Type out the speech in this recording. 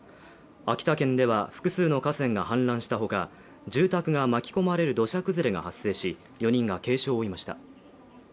秋田県では複数の河川が氾濫したほか、住宅が巻き込まれる土砂崩れが発生し４人が軽傷を負いました。